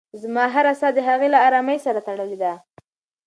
زما هره ساه د هغې له ارامۍ سره تړلې ده.